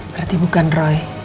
berarti bukan roy